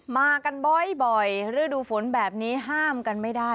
มากันบ่อยฤดูฝนแบบนี้ห้ามกันไม่ได้